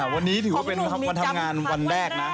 วันนี้ถือว่าเป็นวันทำงานวันแรกนะ